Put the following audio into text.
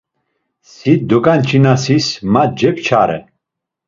Si doganç̌inasis ma cepçare.